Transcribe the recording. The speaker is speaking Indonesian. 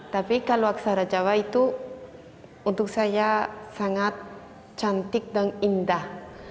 tapi kalau aksara jawa itu untuk saya sangat cantik dan indah